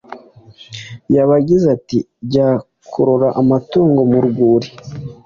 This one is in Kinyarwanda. Yaba agize ati "jya kuroraAmatungo mu rwuri